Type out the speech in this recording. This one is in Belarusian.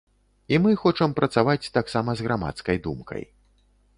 І мы хочам працаваць таксама з грамадскай думкай.